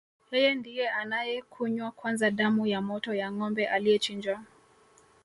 Yeye ndiye anayekunywa kwanza damu ya moto ya ngombe aliyechinjwa